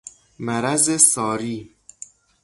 مرض ساری